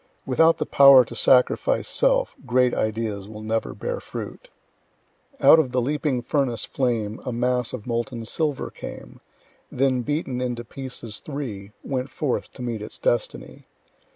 Without the power to sacrifice self, great ideas will never bear fruit. Out of the leaping furnace flame A mass of molten silver came; Then, beaten into pieces three, Went forth to meet its destiny.